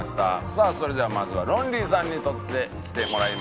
さあそれではまずはロンリーさんに撮ってきてもらいました